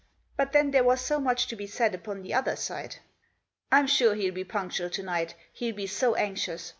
But then there was so much to be said upon the other side. "I'm sure he'll be punctual to night, he'll be so anxious.